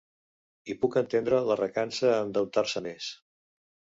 I puc entendre la recança a endeutar-se més.